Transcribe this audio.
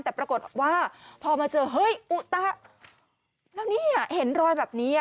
แต่ปรากฏว่าพอมาเจอเฮ้ยอุตะแล้วเนี่ยเห็นรอยแบบนี้